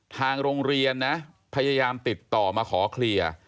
ทางโรงเรียนนะพยายามติดต่อมาขอเคลียร์